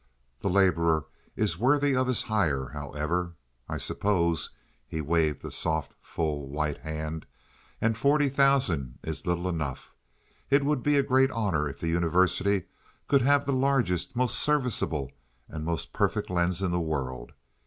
The laborer is worthy of his hire, however, I suppose"—he waved a soft, full, white hand—"and forty thousand is little enough. It would be a great honor if the University could have the largest, most serviceable, and most perfect lens in the world.